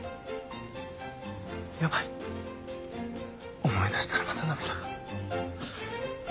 ヤバい思い出したらまた涙が。